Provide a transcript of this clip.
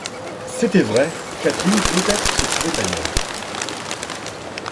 C'était vrai, Catherine peut-être se trouvait ailleurs.